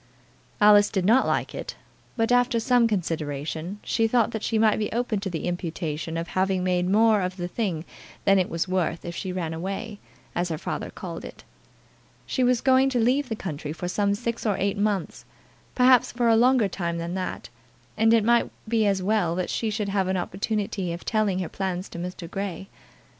Alice did not like it, but, after some consideration, she thought that she might be open to the imputation of having made more of the thing than it was worth if she ran away, as her father called it. She was going to leave the country for some six or eight months, perhaps for a longer time than that, and it might be as well that she should have an opportunity of telling her plans to Mr. Grey.